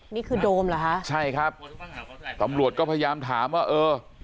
โดมเหรอฮะใช่ครับตำรวจก็พยายามถามว่าเออ